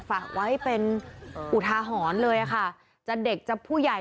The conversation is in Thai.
ฝากไว้เป็นอุทาหอนเลยอ่ะค่ะจะเด็กจะผู้ใหญ่หรือ